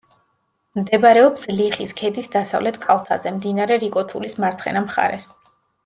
მდებარეობს ლიხის ქედის დასავლეთ კალთაზე, მდინარე რიკოთულის მარცხენა მხარეს.